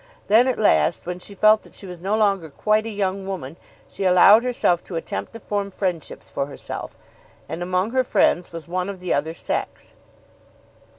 Then, at last, when she felt that she was no longer quite a young woman, she allowed herself to attempt to form friendships for herself, and among her friends was one of the other sex.